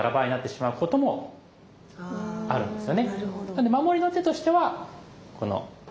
なので守りの手としてはこの。